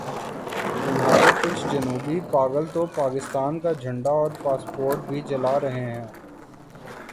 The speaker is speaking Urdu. تمہارے کچھ جنونی پاگل تو پاکستان کا جھنڈا اور پاسپورٹ بھی جلا رہے ہیں۔